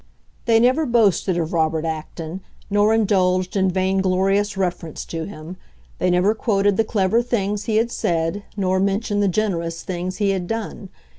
They never boasted of Robert Acton, nor indulged in vainglorious reference to him; they never quoted the clever things he had said, nor mentioned the generous things he had done.